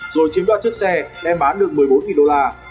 rồi chiếm đoạt chiếc xe đem bán được một mươi bốn đô la